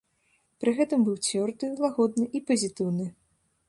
Пры гэтым быў цвёрды, лагодны і пазітыўны.